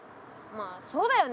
まあそうだよね。